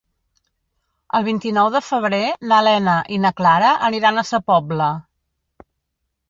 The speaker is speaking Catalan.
El vint-i-nou de febrer na Lena i na Clara aniran a Sa Pobla.